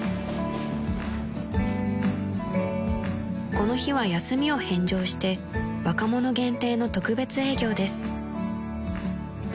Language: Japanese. ［この日は休みを返上して若者限定の特別営業です］